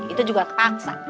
itu juga taksa